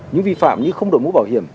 những vi phạm như không đổi mũ bảo hiểm